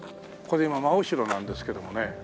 これ今真後ろなんですけどもね